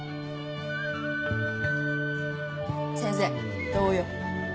先生どうよ？